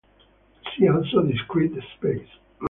See also discrete space.